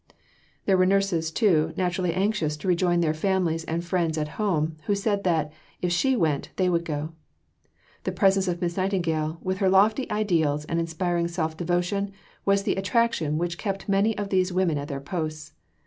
There were nurses, too, naturally anxious to rejoin their families or friends at home, who said that, if she went, they would go. The presence of Miss Nightingale, with her lofty ideals and inspiring self devotion, was the attraction which kept many of these women at their posts.